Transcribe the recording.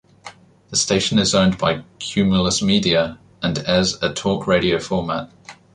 The station is owned by Cumulus Media, and airs a Talk radio format.